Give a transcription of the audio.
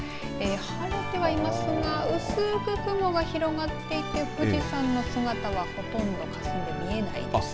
晴れてはいますが薄く雲が広がっていて富士山の姿はほとんどかすんで見えないですね。